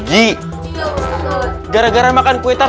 gary gara gara makan kwitar